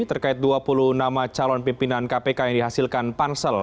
terkait dua puluh nama calon pimpinan kpk yang dihasilkan pansel